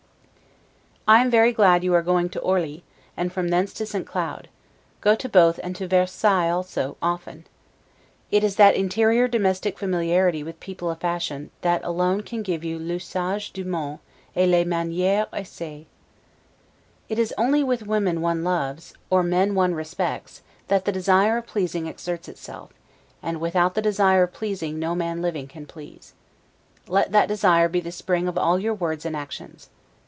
I am very glad you are going to Orli, and from thence to St. Cloud; go to both, and to Versailles also, often. It is that interior domestic familiarity with people of fashion, that alone can give you 'l'usage du monde, et les manieres aisees'. It is only with women one loves, or men one respects, that the desire of pleasing exerts itself; and without the desire of pleasing no man living can please. Let that desire be the spring of all your words and actions.